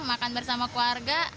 makan bersama keluarga